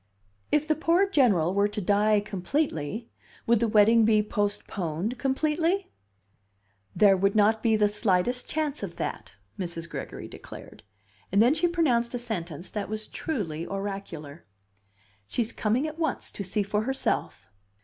"If the poor General were to die completely, would the wedding be postponed completely?" "There would not be the slightest chance of that," Mrs. Gregory declared. And then she pronounced a sentence that was truly oracular: "She's coming at once to see for herself."